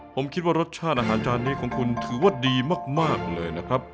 ผมคิดว่ารสชาติอาหารจานนี้ของคุณถือว่าดีมากเลยนะครับ